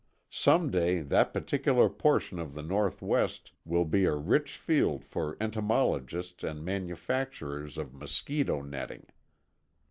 Some day that particular portion of the Northwest will be a rich field for entomologists and manufacturers of mosquito netting.